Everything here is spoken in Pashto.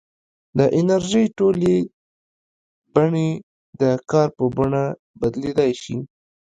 د انرژۍ ټولې بڼې د کار په بڼه بدلېدای شي.